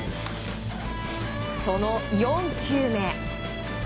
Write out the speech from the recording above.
その４球目。